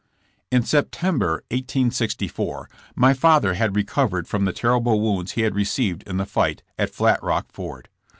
'* In September, 1864, my father had recovered from the terrible wounds he had received in the fight, at Flat Kock Ford.